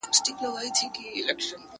o هغې ويله ځمه د سنگسار مخه يې نيسم.